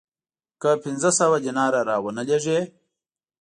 که پنځه سوه دیناره را ونه لېږې